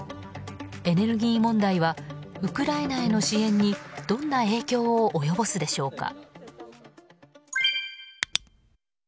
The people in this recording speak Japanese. エネルギー問題はウクライナへの支援にどんな影響を及ぼすでしょうか。